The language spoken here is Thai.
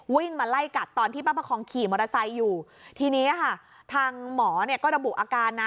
วิ่งมาไล่กัดตอนที่ป้าประคองขี่มอเตอร์ไซค์อยู่ทีนี้ค่ะทางหมอเนี่ยก็ระบุอาการนะ